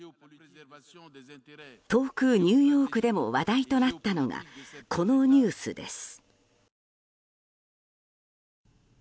遠くニューヨークでも話題となったのがこのニュースです。